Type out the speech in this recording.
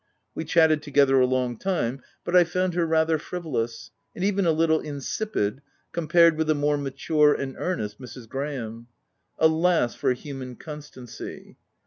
We chatted together a long time; but I found her rather frivolous, and even a little insipid, compared with the more mature and earnest Mrs. Graham — Alas, for human con stancy